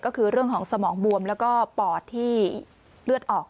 ก็คือเรื่องของสมองบวมแล้วก็ปอดที่เลือดออก